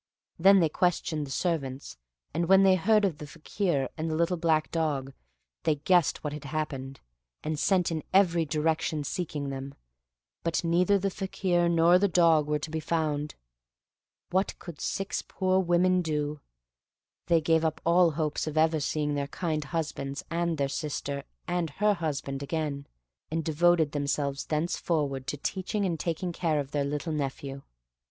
Then they questioned the servants, and when they heard of the Fakir and the little black dog, they guessed what had happened, and sent in every direction seeking them, but neither the Fakir nor the dog were to be found. What could six poor women do? They gave up all hopes of ever seeing their kind husbands, and their sister, and her husband again, and devoted themselves thenceforward to teaching and taking care of their little nephew.